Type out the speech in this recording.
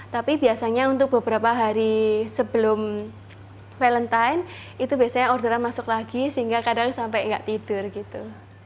tapi biasanya untuk beberapa hari sebelum valentine itu biasanya orderan masuk lagi sehingga kadang sampai nggak tidur gitu